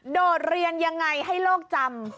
โดดเรียนยังไงให้โลกจำ